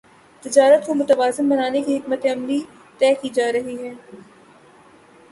تجارت کو متوازن بنانے کی حکمت عملی طے کی جارہی ہے